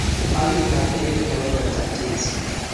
Ak Kimnatet ne o ko kecham cheiso